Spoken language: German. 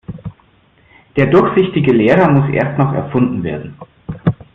Der durchsichtige Lehrer muss erst noch erfunden werden.